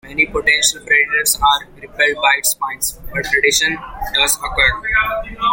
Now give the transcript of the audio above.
Many potential predators are repelled by its spines, but predation does occur.